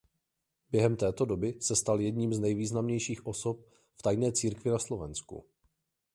Během této doby se stal jedním z nejvýznamnějších osob v tajné církvi na Slovensku.